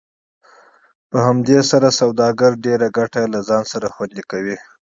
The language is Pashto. په همدې سره پانګوال ډېرې ګټې له ځان سره خوندي کوي